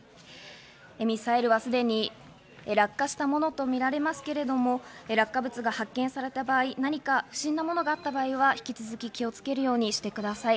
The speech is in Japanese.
ミサイルはすでに落下したものとみられますけれども、落下物が発見された場合、何か不審なものがあった場合は引き続き気をつけるようにしてください。